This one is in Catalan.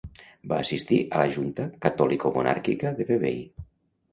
Va assistir a la Junta catòlico-monàrquica de Vevey.